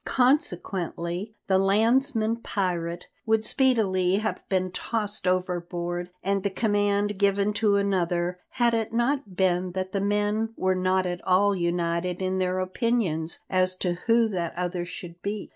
Consequently, the landsman pirate would speedily have been tossed overboard and the command given to another, had it not been that the men were not at all united in their opinions as to who that other should be.